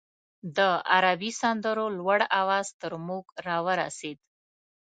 د عربي سندرو لوړ اواز تر موږ راورسېد.